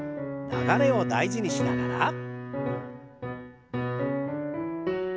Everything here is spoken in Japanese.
流れを大事にしながら。